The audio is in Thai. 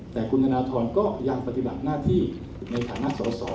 แต่คุณธนทรก็ยังปฏิบัติหน้าที่ในฐานะสอสอ